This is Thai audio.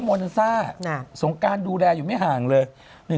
หนูก็ไม่อ่านเยอะ